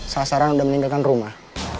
sasaran udah meninggalkan rumah